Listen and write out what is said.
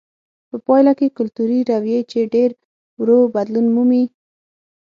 په پایله کې کلتوري رویې چې ډېر ورو بدلون مومي.